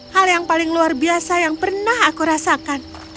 hal yang paling luar biasa yang pernah aku rasakan